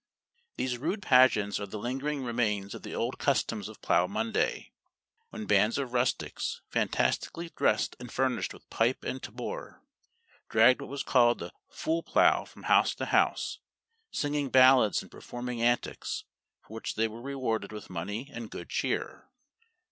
These rude pageants are the lingering remains of the old customs of Plough Monday, when bands of rustics, fantastically dressed, and furnished with pipe and tabor, dragged what was called the "fool plough" from house to house, singing ballads and performing antics, for which they were rewarded with money and good cheer.